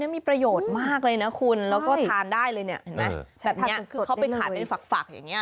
มีประโยชน์มากเลยนะคุณแล้วก็ทานได้เลยเนี่ยเห็นไหมแบบนี้คือเขาไปขายเป็นฝักอย่างนี้